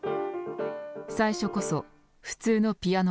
最初こそ普通のピアノ講座。